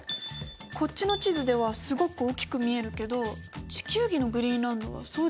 こっちの地図ではすごく大きく見えるけど地球儀のグリーンランドはそうでもないみたい。